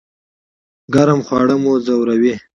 ګرم خواړه مو ځوروي؟